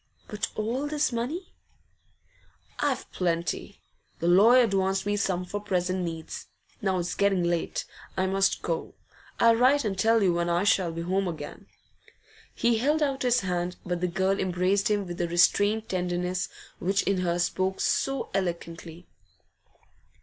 'But all this money?' 'I've plenty. The lawyer advanced me some for present needs. Now it's getting late, I must go. I'll write and tell you when I shall be home again.' He held out his hand, but the girl embraced him with the restrained tenderness which in her spoke so eloquently.